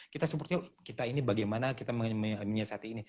kita supportnya kita ini bagaimana kita menyelesaikan ini